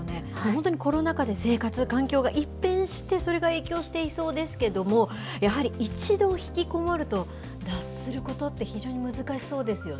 本当にコロナ禍で生活、環境が一変して、それが影響していそうですけども、やはり一度引きこもると、脱することって、非常に難しそうですよ